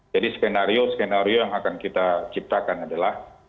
jadi skenario skenario yang akan kita ciptakan adalah